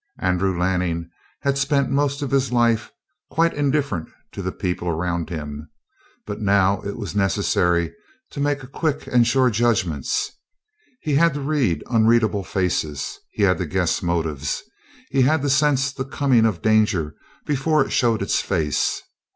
Andrew Lanning had spent most of his life quite indifferent to the people around him, but now it was necessary to make quick and sure judgments. He had to read unreadable faces. He had to guess motives. He had to sense the coming of danger before it showed its face.